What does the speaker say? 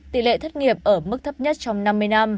tỷ lệ thất nghiệp ở mức thấp nhất trong năm mươi năm